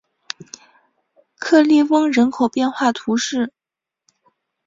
克利翁人口变化图示